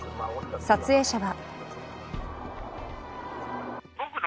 撮影者は。